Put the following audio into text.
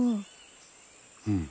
うん。